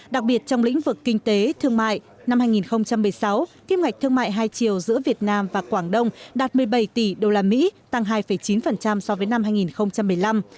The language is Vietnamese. đặc biệt trong lĩnh vực kinh tế thương mại năm hai nghìn một mươi sáu kim ngạch thương mại hai triệu giữa việt nam và quảng đông đạt một mươi bảy tỷ usd tăng hai chín so với năm hai nghìn một mươi năm